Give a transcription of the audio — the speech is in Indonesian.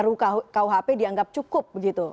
rukuhp dianggap cukup begitu